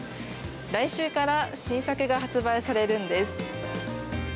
来週から新作が発売されるんです。